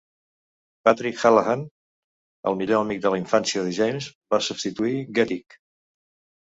Patrick Hallahan, el millor amic de la infància de James, va substituir Guetig.